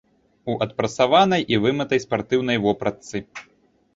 У адпрасаванай і вымытай спартыўнай вопратцы.